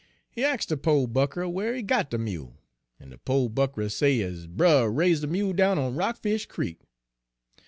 He ax' de po' buckrah whar he got de mule, en de po' buckrah say his brer raise' de mule down on Rockfish Creek.